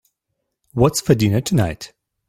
What's for dinner tonight?